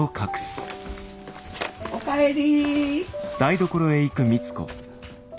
お帰り。